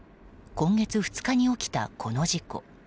今月２日に起きたこの事故。